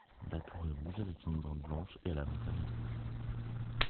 La tour est rouge avec une bande blanche et la lanterne est rouge.